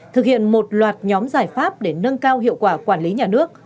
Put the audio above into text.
thực hiện một loạt nhóm giải pháp để nâng cao hiệu quả quản lý nhà nước